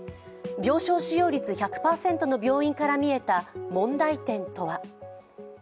病床使用率１００％の病院から見えた問題点とは。